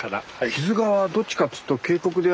木津川はどっちかっていうと渓谷で船に乗る方ですよね？